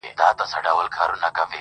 دا لومي د شیطان دي، وسوسې دي چي راځي٫